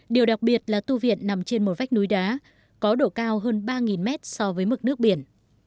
điều đặc biệt là tu viện nằm trên một vách núi đá có độ cao hơn ba mét so với mực nước biển